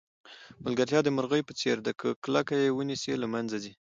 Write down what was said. ملګرتیا د مرغۍ په څېر ده که کلکه یې ونیسئ له منځه ځي.